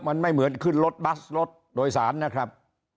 มันไม่เหมือนขึ้นรถบัสรถโดยสารนะครับ